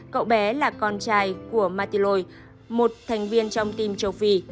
cậu bé là con trai của matiloi một thành viên trong tim châu phi